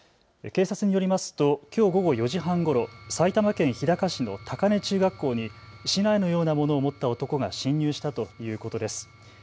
警察によりますときょう午後４時半ごろ、埼玉県日高市の高根中学校に竹刀のようなものを持った男が侵入したということです。